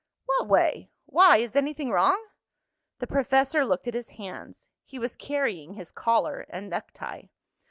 "What way? Why, is anything wrong?" The professor looked at his hands. He was carrying his collar and necktie.